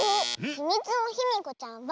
「ひみつのヒミコちゃん」は。